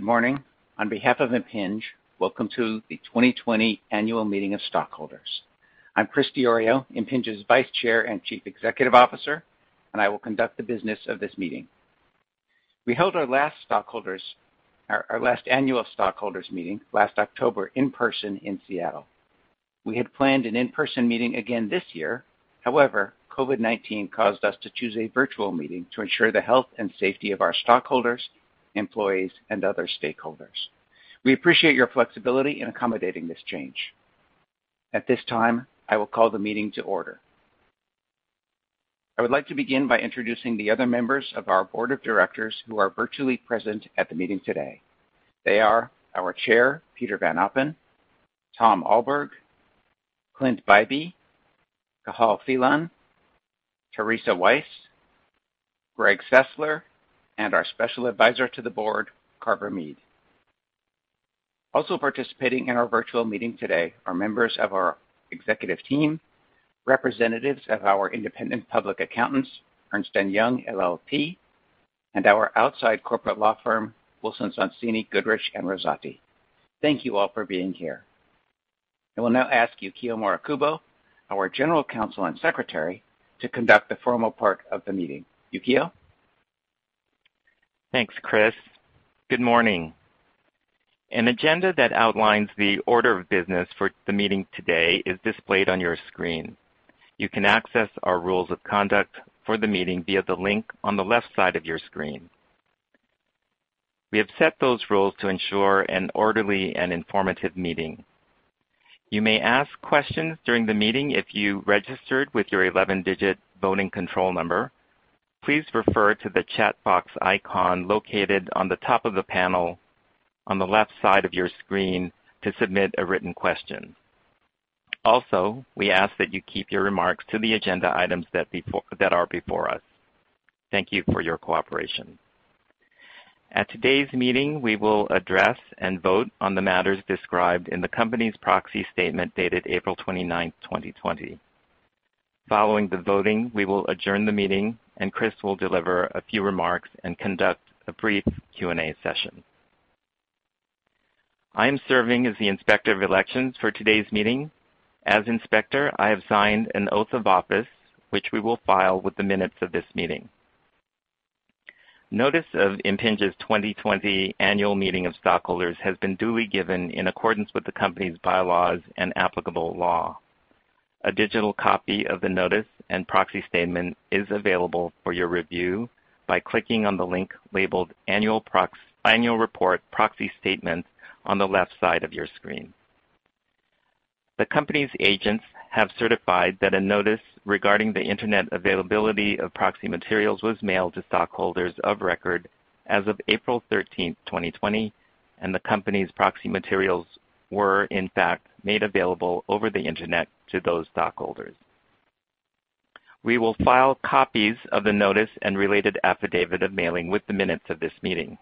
Good morning. On behalf of Impinj, welcome to the 2020 Annual Meeting of Stockholders. I'm Chris Diorio, Impinj's Vice Chair and Chief Executive Officer, and I will conduct the business of this meeting. We held our last Annual Stockholders' Meeting last October in person in Seattle. We had planned an in-person meeting again this year, however, COVID-19 caused us to choose a virtual meeting to ensure the health and safety of our stockholders, employees, and other stakeholders. We appreciate your flexibility in accommodating this change. At this time, I will call the meeting to order. I would like to begin by introducing the other members of our Board of Directors who are virtually present at the meeting today. They are our Chair, Peter van Oppen, Tom Alberg, Clint Bybee, Cathal Phelan, Theresa Wise, Greg Sessler, and our Special Advisor to the Board, Carver Mead. Also participating in our virtual meeting today are members of our executive team, representatives of our independent public accountants, Ernst & Young LLP, and our outside corporate law firm, Wilson Sonsini Goodrich & Rosati. Thank you all for being here. I will now ask Yukio Morikubo, our General Counsel and Secretary, to conduct the formal part of the meeting. Yukio? Thanks, Chris. Good morning. An agenda that outlines the order of business for the meeting today is displayed on your screen. You can access our rules of conduct for the meeting via the link on the left side of your screen. We have set those rules to ensure an orderly and informative meeting. You may ask questions during the meeting if you registered with your 11-digit voting control number. Please refer to the chat box icon located on the top of the panel on the left side of your screen to submit a written question. Also, we ask that you keep your remarks to the agenda items that are before us. Thank you for your cooperation. At today's meeting, we will address and vote on the matters described in the company's proxy statement dated April 29, 2020. Following the voting, we will adjourn the meeting, and Chris will deliver a few remarks and conduct a brief Q&A session. I am serving as the Inspector of Elections for today's meeting. As Inspector, I have signed an oath of office, which we will file with the minutes of this meeting. Notice of Impinj's 2020 Annual Meeting of Stockholders has been duly given in accordance with the company's bylaws and applicable law. A digital copy of the notice and proxy statement is available for your review by clicking on the link labeled Annual Report Proxy Statement on the left side of your screen. The company's agents have certified that a notice regarding the internet availability of proxy materials was mailed to stockholders of record as of April 13, 2020, and the company's proxy materials were, in fact, made available over the internet to those stockholders. We will file copies of the notice and related affidavit of mailing with the minutes of this meeting.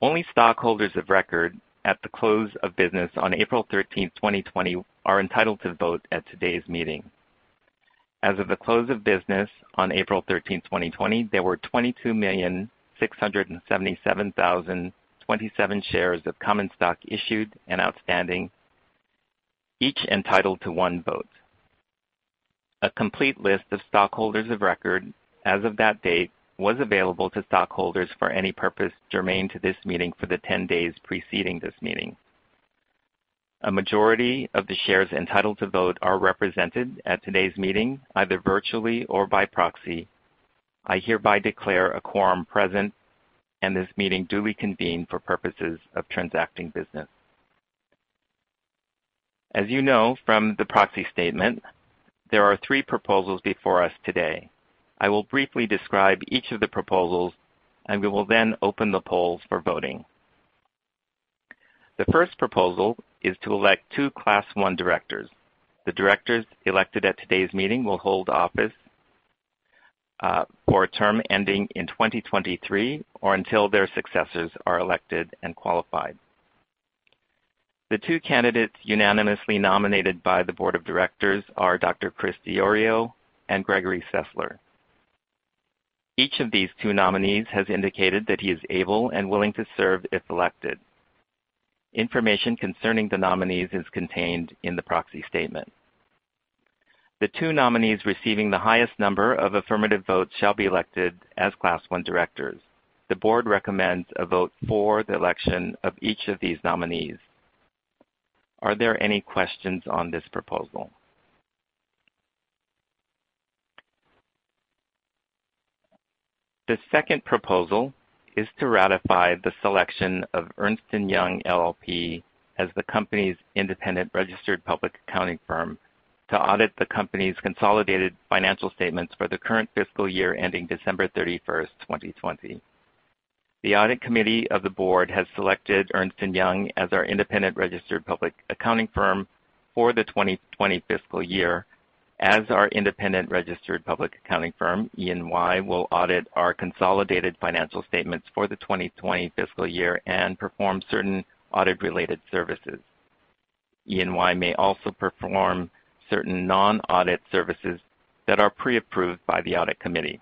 Only stockholders of record at the close of business on April 13, 2020, are entitled to vote at today's meeting. As of the close of business on April 13, 2020, there were 22,677,027 shares of common stock issued and outstanding, each entitled to one vote. A complete list of stockholders of record as of that date was available to stockholders for any purpose germane to this meeting for the 10 days preceding this meeting. A majority of the shares entitled to vote are represented at today's meeting either virtually or by proxy. I hereby declare a quorum present, and this meeting duly convened for purposes of transacting business. As you know from the proxy statement, there are three proposals before us today. I will briefly describe each of the proposals, and we will then open the polls for voting. The first proposal is to elect two Class 1 Directors. The directors elected at today's meeting will hold office for a term ending in 2023 or until their successors are elected and qualified. The two candidates unanimously nominated by the Board of Directors are Dr. Chris Diorio and Gregory Sessler. Each of these two nominees has indicated that he is able and willing to serve if elected. Information concerning the nominees is contained in the proxy statement. The two nominees receiving the highest number of affirmative votes shall be elected as Class 1 Directors. The board recommends a vote for the election of each of these nominees. Are there any questions on this proposal? The second proposal is to ratify the selection of Ernst & Young LLP as the company's independent registered public accounting firm to audit the company's consolidated financial statements for the current fiscal year ending December 31, 2020. The Audit Committee of the Board has selected Ernst & Young as our independent registered public accounting firm for the 2020 fiscal year. Ernst & Young, will audit our consolidated financial statements for the 2020 fiscal year and perform certain audit-related services. Ernst & Young may also perform certain non-audit services that are pre-approved by the Audit Committee.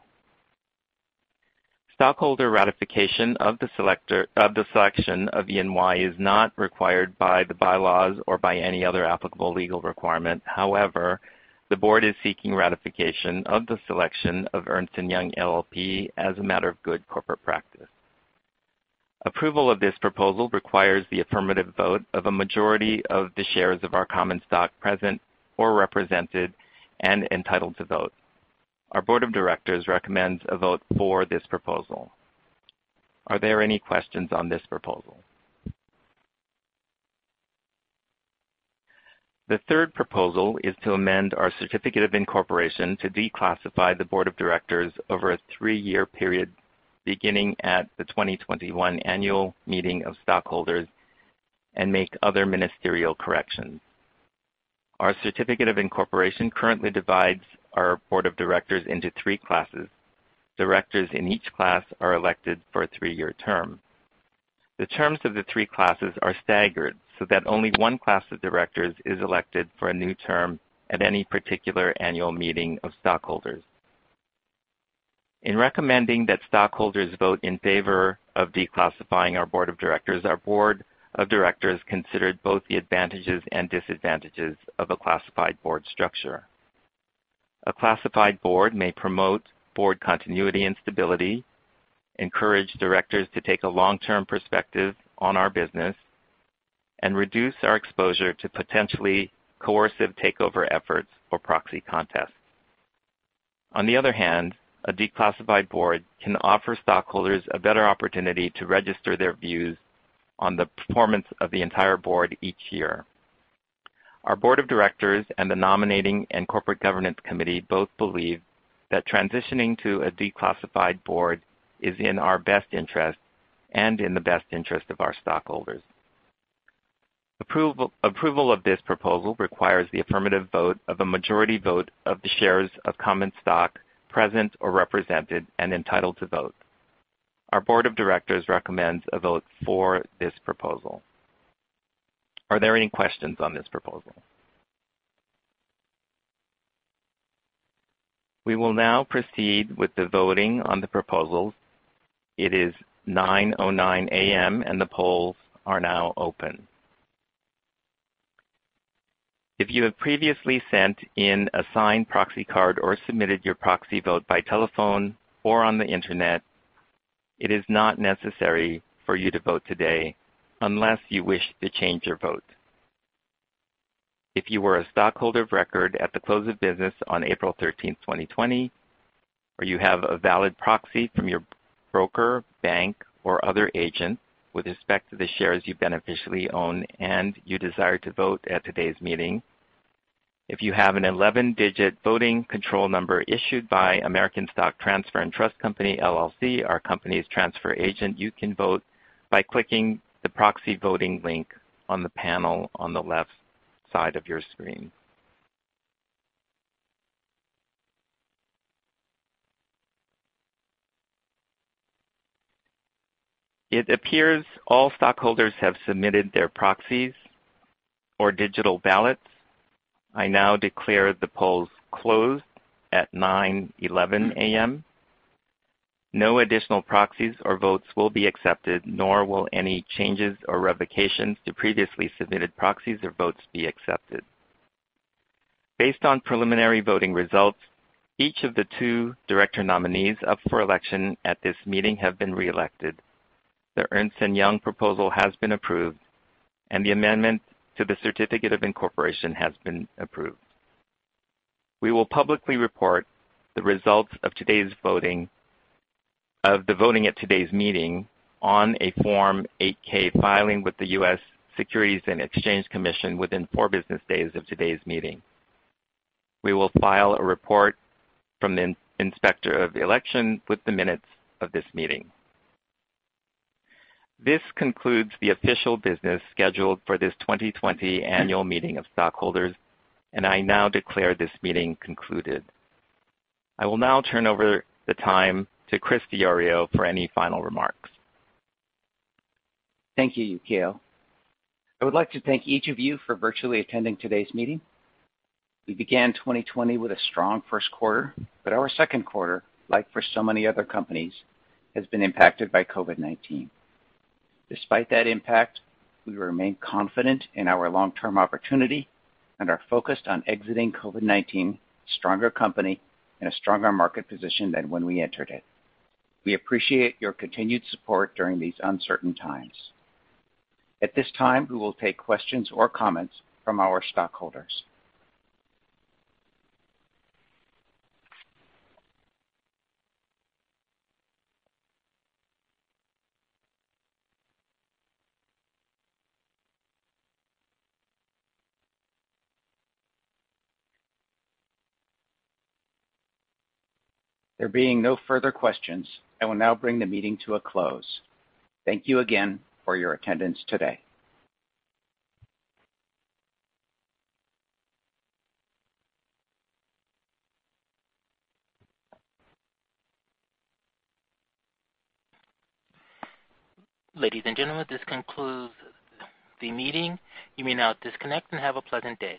Stockholder ratification of the selection of Ernst & Young is not required by the bylaws or by any other applicable legal requirement. However, the board is seeking ratification of the selection of Ernst & Young LLP as a matter of good corporate practice. Approval of this proposal requires the affirmative vote of a majority of the shares of our common stock present or represented and entitled to vote. Our Board of Directors recommends a vote for this proposal. Are there any questions on this proposal? The third proposal is to amend our certificate of incorporation to declassify the Board of Directors over a three-year period beginning at the 2021 Annual Meeting of Stockholders and make other ministerial corrections. Our certificate of incorporation currently divides our Board of Directors into three classes. Directors in each class are elected for a three-year term. The terms of the three classes are staggered so that only one class of directors is elected for a new term at any particular annual meeting of stockholders. In recommending that stockholders vote in favor of declassifying our Board of Directors, our Board of Directors considered both the advantages and disadvantages of a classified board structure. A classified board may promote board continuity and stability, encourage directors to take a long-term perspective on our business, and reduce our exposure to potentially coercive takeover efforts or proxy contests. On the other hand, a declassified board can offer stockholders a better opportunity to register their views on the performance of the entire board each year. Our Board of Directors and the Nominating and Corporate Governance Committee both believe that transitioning to a declassified board is in our best interest and in the best interest of our stockholders. Approval of this proposal requires the affirmative vote of a majority vote of the shares of common stock present or represented and entitled to vote. Our Board of Directors recommends a vote for this proposal. Are there any questions on this proposal? We will now proceed with the voting on the proposals. It is 9:09 A.M., and the polls are now open. If you have previously sent in a signed proxy card or submitted your proxy vote by telephone or on the internet, it is not necessary for you to vote today unless you wish to change your vote. If you were a stockholder of record at the close of business on April 13, 2020, or you have a valid proxy from your broker, bank, or other agent with respect to the shares you beneficially own and you desire to vote at today's meeting, if you have an 11-digit voting control number issued by American Stock Transfer & Trust Company, LLC, our company's transfer agent, you can vote by clicking the proxy voting link on the panel on the left side of your screen. It appears all stockholders have submitted their proxies or digital ballots. I now declare the polls closed at 9:11 A.M. No additional proxies or votes will be accepted, nor will any changes or revocations to previously submitted proxies or votes be accepted. Based on preliminary voting results, each of the two director nominees up for election at this meeting have been reelected. The Ernst & Young proposal has been approved, and the amendment to the certificate of incorporation has been approved. We will publicly report the results of today's voting at today's meeting on a Form 8-K filing with the U.S. Securities and Exchange Commission within four business days of today's meeting. We will file a report from the Inspector of Election with the minutes of this meeting. This concludes the official business scheduled for this 2020 Annual Meeting of Stockholders, and I now declare this meeting concluded. I will now turn over the time to Chris Diorio for any final remarks. Thank you, Yukio. I would like to thank each of you for virtually attending today's meeting. We began 2020 with a strong first quarter, but our second quarter, like for so many other companies, has been impacted by COVID-19. Despite that impact, we remain confident in our long-term opportunity and are focused on exiting COVID-19 stronger company in a stronger market position than when we entered it. We appreciate your continued support during these uncertain times. At this time, we will take questions or comments from our stockholders. There being no further questions, I will now bring the meeting to a close. Thank you again for your attendance today. Ladies and gentlemen, this concludes the meeting. You may now disconnect and have a pleasant day.